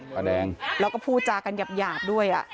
ป้าแดงแล้วก็พูดจากันหยาบด้วย